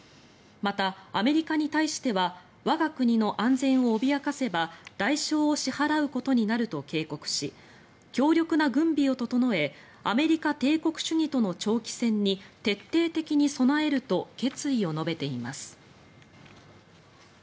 また、アメリカに対しては我が国の安全を脅かせば代償を支払うことになると警告し強力な軍備を整えアメリカ帝国主義との長期戦に徹底的に備えると決意を述べています。